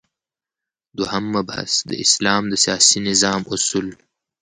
دوهم مبحث : د اسلام د سیاسی نظام اصول